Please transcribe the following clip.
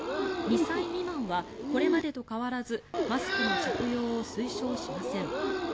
２歳未満はこれまでと変わらずマスクの着用を推奨しません。